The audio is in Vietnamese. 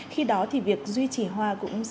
khi đó thì việc duy trì hoa cũng sẽ